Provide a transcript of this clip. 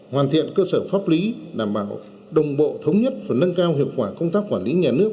hoàn thiện cơ sở pháp lý đảm bảo đồng bộ thống nhất và nâng cao hiệu quả công tác quản lý nhà nước